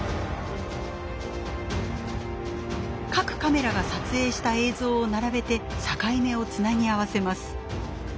各カメラが撮影した映像を並べて境目をつなぎ合わせます。